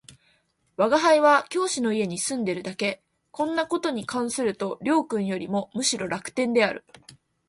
吾輩は教師の家に住んでいるだけ、こんな事に関すると両君よりもむしろ楽天である